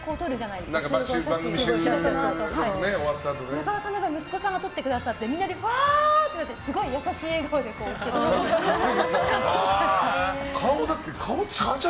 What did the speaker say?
中村さんの息子さんが撮ってくださってみんながふぁーってなってすごい優しい笑顔で写るっていう。